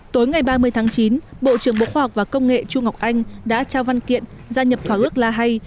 tối ngày ba mươi tháng chín bộ trưởng bộ khoa học và công nghệ chu ngọc anh đã trao văn kiện gia nhập thỏa ước la hay